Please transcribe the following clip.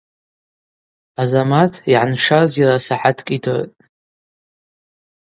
Азамат йгӏаншаз йара сахӏаткӏ йдыртӏ.